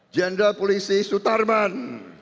jenderal polisi sutarman